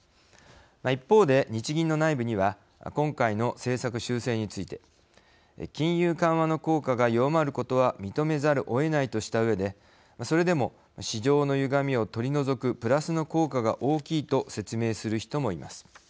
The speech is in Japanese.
一方で、日銀の内部には今回の政策修正について金融緩和の効果が弱まることは認めざるをえないとしたうえでそれでも市場のゆがみを取り除くプラスの効果が大きいと説明する人もいます。